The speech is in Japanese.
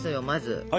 まず。